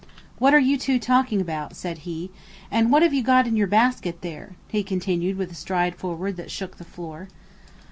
"What are you two talking about?" said he; "and what have you got in your basket there?" he continued with a stride forward that shook the floor.